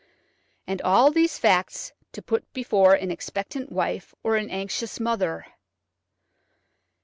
And all these facts to put before an expectant wife or an anxious mother!